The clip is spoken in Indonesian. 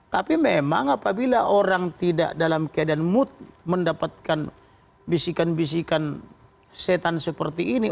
tapi memang apabila orang tidak dalam keadaan mood mendapatkan bisikan bisikan setan seperti ini